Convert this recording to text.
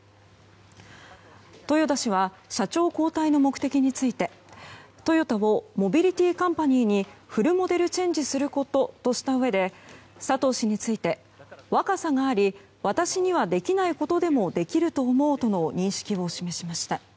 豊田氏は社長交代の目的についてトヨタをモビリティーカンパニーにフルモデルチェンジすることとしたうえで、佐藤氏について若さがあり私にはできないことでもできると思うとの認識を示しました。